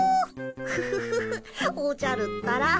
フフフフおじゃるったら。